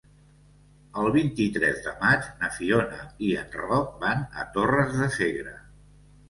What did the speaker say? El vint-i-tres de maig na Fiona i en Roc van a Torres de Segre.